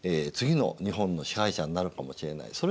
次の日本の支配者になるかもしれない。